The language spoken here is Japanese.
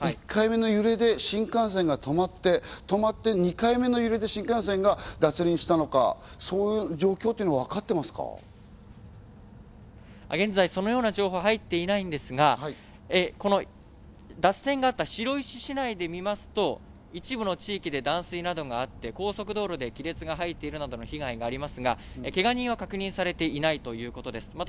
１回目の揺れで新幹線が止まって、２回目の揺れで新幹線が脱輪したのか、そういう状況っていうのわ現在、そのような情報は入っていないんですが、脱線があった白石市内でみますと、一部の地域で断水などがあって高速道路で亀裂が入っているなどの被害がありますが、けが人は確認されていないということです。